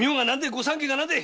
御三家が何でい！